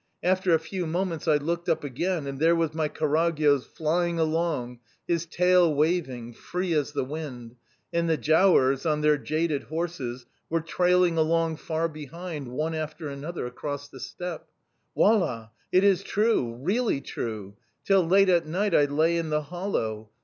After a few moments I looked up again, and there was my Karagyoz flying along, his tail waving free as the wind; and the giaours, on their jaded horses, were trailing along far behind, one after another, across the steppe. Wallah! It is true really true! Till late at night I lay in the hollow.